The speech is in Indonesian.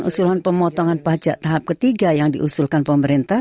usulan pemotongan pajak tahap ketiga yang diusulkan pemerintah